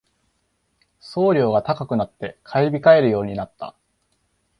送料が高くなって買い控えるようになった